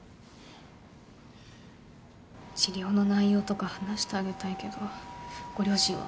治療の内容とか話してあげたいけどご両親は？